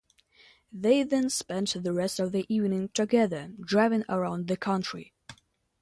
They then spent the rest of the evening together driving around the country.